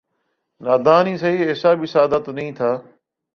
ناداں ہی سہی ایسا بھی سادہ تو نہیں تھا